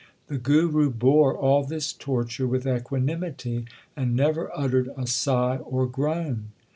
The Guru bore all this torture with equanimity and never uttered a sigh or groan.